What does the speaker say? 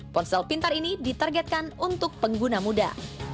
ponsel pintar ini ditargetkan untuk pengguna muda